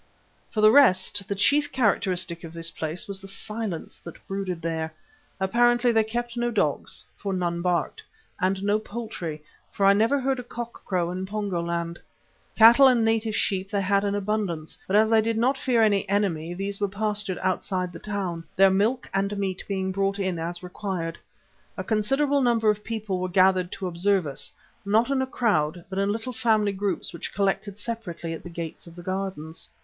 For the rest, the chief characteristic of this place was the silence that brooded there. Apparently they kept no dogs, for none barked, and no poultry, for I never heard a cock crow in Pongo land. Cattle and native sheep they had in abundance, but as they did not fear any enemy, these were pastured outside the town, their milk and meat being brought in as required. A considerable number of people were gathered to observe us, not in a crowd, but in little family groups which collected separately at the gates of the gardens.